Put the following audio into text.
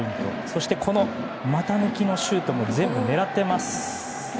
そして、股抜きのシュートも全部狙っています。